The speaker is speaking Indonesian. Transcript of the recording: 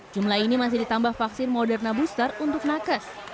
jumlah ini masih ditambah vaksin moderna booster untuk nakes